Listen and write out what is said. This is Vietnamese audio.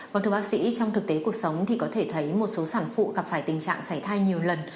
vâng thưa bác sĩ trong thực tế cuộc sống thì có thể thấy một số sản phụ gặp phải tình trạng xảy thai nhiều lần